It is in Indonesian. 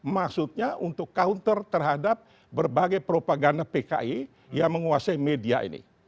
maksudnya untuk counter terhadap berbagai propaganda pki yang menguasai media ini